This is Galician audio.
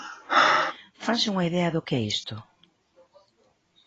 ¿Fanse unha idea do que é isto?